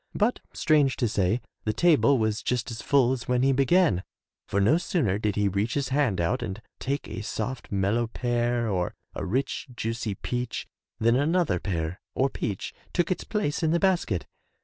But strange to say, the table was just as full as when he began, for no sooner did he reach his hand out and take a soft mellow pear or a rich juicy peach than another pear or peach took its place in the basket.